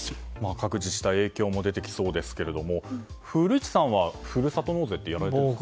各自治体影響も出てきそうですけども古市さんはふるさと納税ってやられてますか？